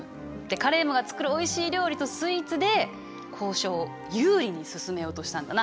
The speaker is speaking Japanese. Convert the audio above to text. カレームが作るおいしい料理とスイーツで交渉を有利に進めようとしたんだな。